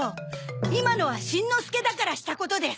今のはしんのすけだからしたことです。